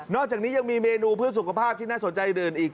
อกจากนี้ยังมีเมนูเพื่อสุขภาพที่น่าสนใจอื่นอีก